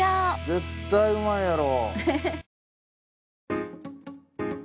絶対美味いやろ。